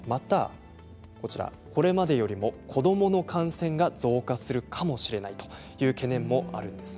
これまでよりも子どもの感染が増加するかもしれないという懸念もあるんです。